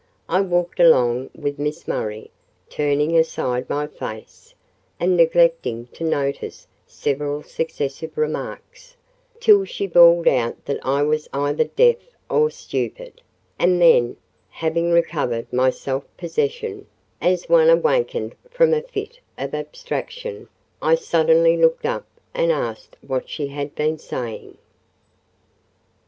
I walked along with Miss Murray, turning aside my face, and neglecting to notice several successive remarks, till she bawled out that I was either deaf or stupid; and then (having recovered my self possession), as one awakened from a fit of abstraction, I suddenly looked up and asked what she had been saying.